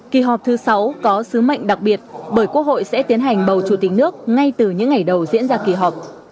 kỳ họp thứ sáu có sứ mệnh đặc biệt bởi quốc hội sẽ tiến hành bầu chủ tịch nước ngay từ những ngày đầu diễn ra kỳ họp